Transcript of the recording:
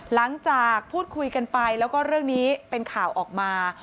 หลังจากพูดคุยกันไปแล้วก็เรื่องนี้เป็นข่าวออกมา